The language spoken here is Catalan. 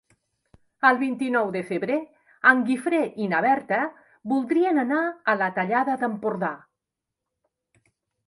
El vint-i-nou de febrer en Guifré i na Berta voldrien anar a la Tallada d'Empordà.